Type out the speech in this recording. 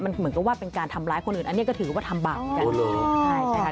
มันเหมือนกันว่าเป็นการทำร้ายคนอื่นอันนี้ก็ถือว่าทำบากกัน